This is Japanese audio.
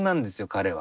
彼は。